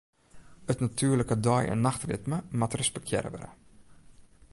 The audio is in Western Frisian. It natuerlike dei- en nachtritme moat respektearre wurde.